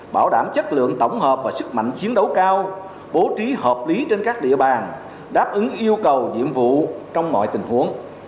tập trung xây dựng lực lượng tổng hợp và sức mạnh chiến đấu cao bố trí hợp lý trên các địa bàn đáp ứng yêu cầu nhiệm vụ trong mọi tình huống